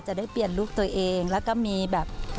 จะได้เปลี่ยนลูกตัวเองแล้วก็มีแบบ